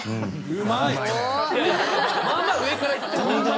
うまいね。